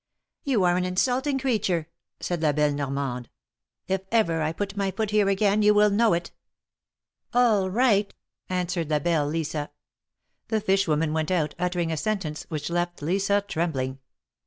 ''You are an insulting creature!" said la belle Yor mande. "If ever I put my foot here again you will know it." "All right !" answered la belle Lisa. The fish woman went out, uttering a sentence which left Lisa trembling.